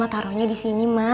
taruhnya disini ma